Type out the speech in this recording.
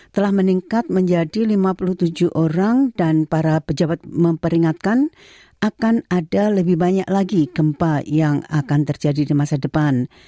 telah meningkat menjadi lima puluh tujuh orang dan para pejabat memperingatkan akan ada lebih banyak lagi gempa yang akan terjadi di masa depan